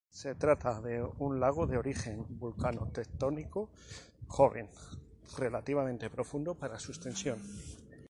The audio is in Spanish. Se trata de un lago de origen vulcano-tectónico, joven, relativamente profundo para su extensión.